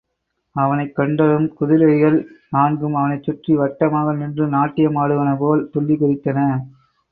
அவனைக் கண்டதும் குதிசைகள் நான்கும் அவனைச் சுற்றி வட்டமாக நின்று நாட்டியமாடுவன போல், துள்ளிக் குதித்தன.